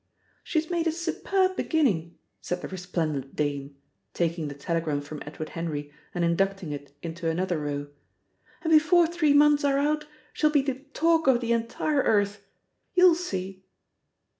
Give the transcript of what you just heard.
"She's made a superb beginning!" said the resplendent dame, taking the telegram from Edward Henry and inducting it into another row. "And before three months are out she'll be the talk of the entire earth. You'll see!"